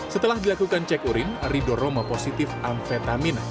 setelah dilakukan cek urin ridho roma positif amfetamina